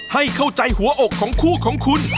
ให้เข้าใจหัวอกของคู่ของคุณ